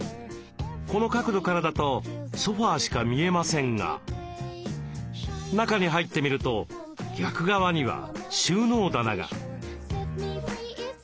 この角度からだとソファーしか見えませんが中に入ってみると逆側には収納棚が。